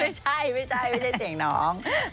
ไม่ใช่ไม่ใช่เสียงน้อง